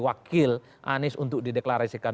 wakil anies untuk dideklarasikan